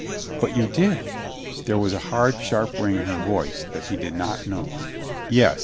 "But you did?" There w.as a hard, sharp ring in her voice that he did not know. "Yes."